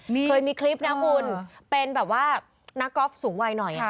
เคยมีคลิปนะคุณเป็นแบบว่านักกอล์ฟสูงวัยหน่อย